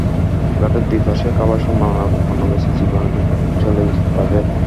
ঘাটের দুই পাশে খাবারসহ নানা রকম পণ্য বেচে জীবন চলে তাঁদের।